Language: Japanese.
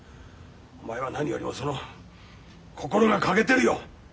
お前は何よりもその心が欠けてるよ！